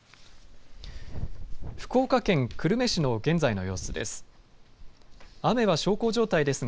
福岡県久留米市の現在の様子です。